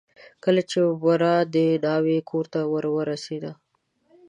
کله چې ورا د ناوې کورته ور ورسېده.